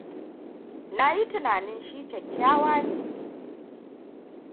Na yi tunannin shi kyakkyawa ne